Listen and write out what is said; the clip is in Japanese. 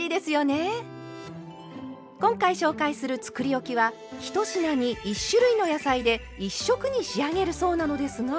今回紹介するつくりおきは１品に１種類の野菜で１色に仕上げるそうなのですが。